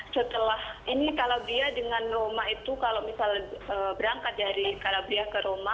setelah ini calabria dengan roma itu kalau misal berangkat dari calabria ke roma